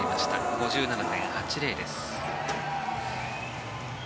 ５７．８０です。